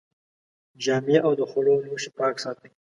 جامې او د خوړو لوښي پاک ساتئ.